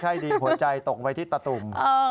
ใจไม่ค่อยดีหัวใจตกไปที่ตะตุ่ม